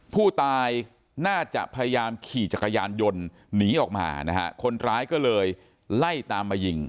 ผู้ตายน่าจะพยายามขี่จักรยานยนต์หนีออกมานะฮะคนร้ายก็เลยไล่ตามมายิง